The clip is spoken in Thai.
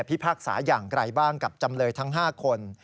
พิพากษาอย่างไกลบ้างกับจำเลยทั้ง๕คน